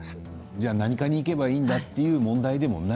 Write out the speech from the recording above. じゃあ何科に行けばいいんだっていう問題でもないんですね。